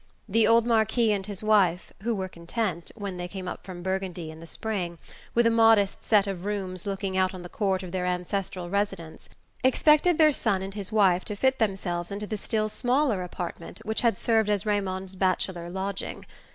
The old Marquis and his wife, who were content, when they came up from Burgundy in the spring, with a modest set of rooms looking out on the court of their ancestral residence, expected their son and his wife to fit themselves into the still smaller apartment which had served as Raymond's bachelor lodging.